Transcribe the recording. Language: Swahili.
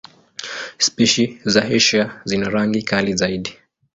Spishi za Asia zina rangi kali zaidi.